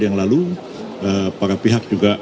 yang lalu para pihak juga